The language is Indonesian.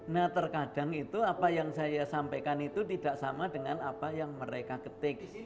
nah terkadang itu apa yang saya sampaikan itu tidak sama dengan apa yang mereka ketik